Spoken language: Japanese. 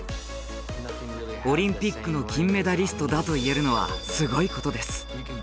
オリンピックの金メダリストだと言えるのはすごいことです。